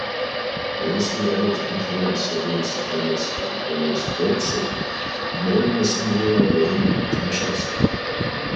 Если в работе Конференция будет сохраняться тупиковая ситуация, Генеральная Ассамблея обязана будет вмешаться.